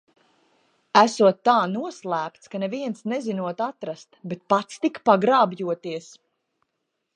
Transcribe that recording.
Esot tā noslēpts, ka neviens nezinot atrast, bet pats tik pagrābjoties.